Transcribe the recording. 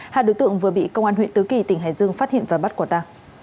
hai đối tượng vừa bị công an huyện tứ kỳ tỉnh hải dương phát hiện và bắt quả ta